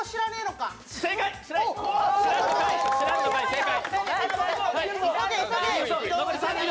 正解！